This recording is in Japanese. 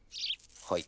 はい。